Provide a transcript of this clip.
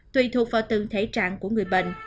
tùy thuộc vào tương thể trạng của người bệnh